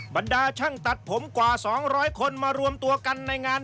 บรรดาช่างตัดผมกว่า๒๐๐คนมารวมตัวกันในงาน